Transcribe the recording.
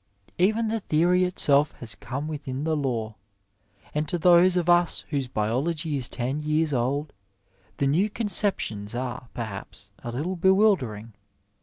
Even the theory itself has come within the law ; and to those of us whose biology is ten years old, the new concep tions are, perhaps, a little bewildering.